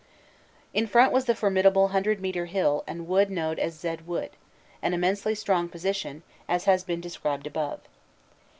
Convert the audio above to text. In front was the formidable 100 metre hill and wood known as Zed Wood, an immensely strong position, as has been described above.